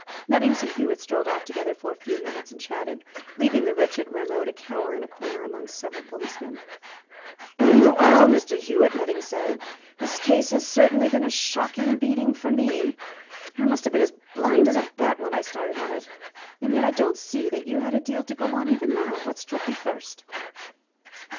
Nettings and Hewitt strolled off together for a few minutes and chatted, leaving the wretched Rameau to cower in a corner among several policemen. "Well, Mr. Hewitt," Nettings said, "this case has certainly been a shocking beating for me. I must have been as blind as a bat when I started on it. And yet I don't see that you had a deal to go on, even now. What struck you first?"